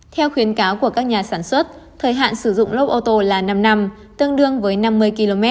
theo khuyến cáo của các nhà sản xuất thời hạn sử dụng lốp ô tô là năm năm tương đương với năm mươi km